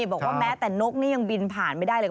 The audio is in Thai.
บอกว่าแม้แต่นกนี่ยังบินผ่านไม่ได้เลย